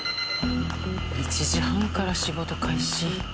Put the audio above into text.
１時半から仕事開始。